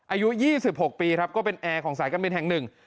อายุ๒๖ปีครับก็เป็นแอร์ของสายการบินแห่งหนึ่ง